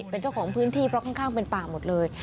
เป็นเจ้าของพื้นที่เพราะข้างเป็นป่าหมดเลย